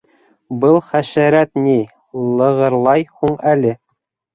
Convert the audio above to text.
Был хәшәрәт ни лығырлай һуң әле...